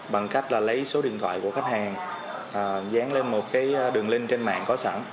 bằng cách lấy số điện thoại của khách hàng dán lên một đường link trên mạng có sẵn